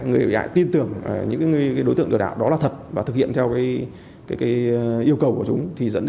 người bị hại tin tưởng những đối tượng lừa đảo đó là thật và thực hiện theo yêu cầu của chúng